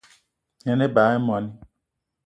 Yen ebag í moní